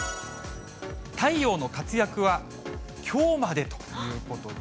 太陽の活躍はきょうまでということで。